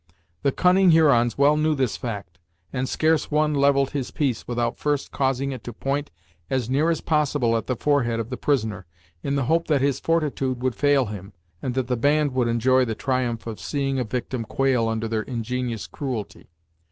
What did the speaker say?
The cunning Hurons well knew this fact, and scarce one levelled his piece without first causing it to point as near as possible at the forehead of the prisoner, in the hope that his fortitude would fail him, and that the band would enjoy the triumph of seeing a victim quail under their ingenious cruelty.